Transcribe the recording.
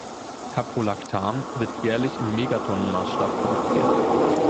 Caprolactam wird jährlich im Megatonnen-Maßstab produziert.